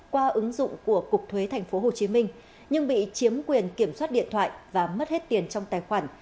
qua ứng dụng của cục thuế tp hcm nhưng bị chiếm quyền kiểm soát điện thoại và mất hết tiền trong tài khoản